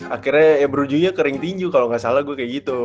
akhirnya ya berujunya kering tinju kalo gak salah gue kayak gitu